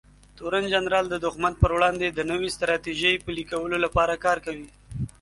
تورن جنرال د دښمن پر وړاندې د نوې ستراتیژۍ پلي کولو لپاره کار کوي.